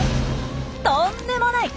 とんでもない！